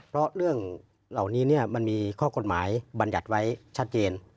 เพราะเรื่องเหล่านี้มันมีข้อกฎหมายบรรยัติไว้ชัดเจน